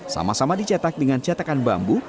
sama sama dicetak dengan cetakan bambu